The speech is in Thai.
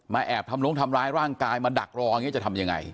มาแอบทำล้งทำร้ายร่างกายมาดักรอจะทำอย่างไร